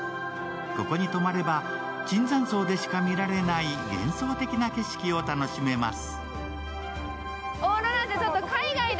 ここに泊まれば椿山荘でしか見られない幻想的な景色を楽しめます。